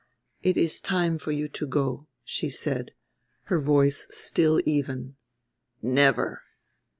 "It is time for you to go," she said, her voice still even. "Never."